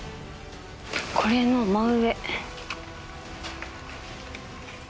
これの真上。